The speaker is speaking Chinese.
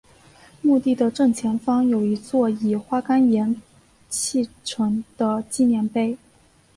墓地的正前方有一座以花岗岩砌成的纪念碑。